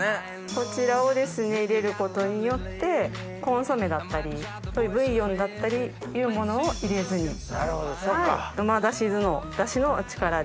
こちらを入れることによってコンソメだったりブイヨンだったりっていうものを入れずに旨だし酢のダシの力で。